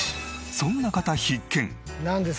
そんな方必見！